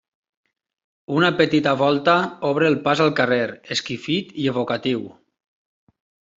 Una petita volta obre el pas al carrer, esquifit i evocatiu.